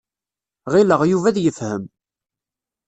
Ɣileɣ Yuba ad yefhem.